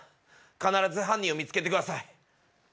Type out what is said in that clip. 必ず犯人を見つけて下さい。